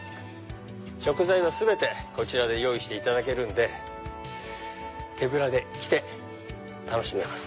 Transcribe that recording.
食材は全てこちらで用意していただけるんで手ぶらで来て楽しめます。